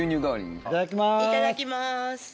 いただきます。